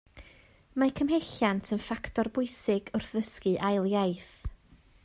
Mae cymhelliant yn ffactor bwysig wrth ddysgu ail iaith